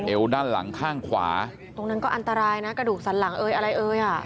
ด้านหลังข้างขวาตรงนั้นก็อันตรายนะกระดูกสันหลังเอ่ยอะไรเอ่ยอ่ะ